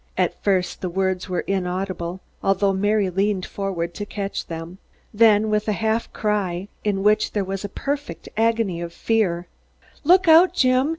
At first the words were inaudible, although Mary leaned forward to catch them. Then with a half cry, in which there was a perfect agony of fear "Look out, Jim!